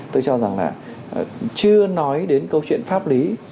tôi cho rằng là chưa nói đến câu chuyện pháp lý